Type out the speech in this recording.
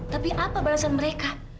tapi apa balasan mereka